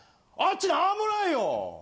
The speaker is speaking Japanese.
あっち何もないよ。